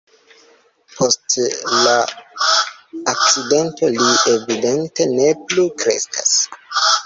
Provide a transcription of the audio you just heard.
Post la akcidento li evidente ne plu kreskas.